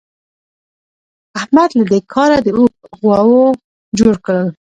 احمد له دې کاره د اوښ غوو جوړ کړل.